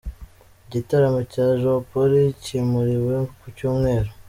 Igitaramo cya Jamporo cyimuriwe ku Cyumweru